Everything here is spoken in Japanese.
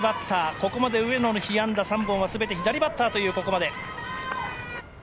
ここまで上野の被安打３本は全て左バッターというここまで。